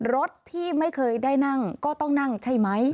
รถที่ไม่เคยได้นั่งก็ต้องนั่งใช่ไหม